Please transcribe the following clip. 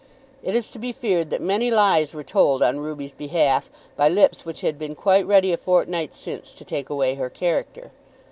It is to be feared that many lies were told on Ruby's behalf by lips which had been quite ready a fortnight since to take away her character.